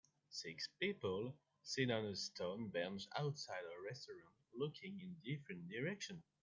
Six people sit on a stone bench outside a restaurant looking in different directions.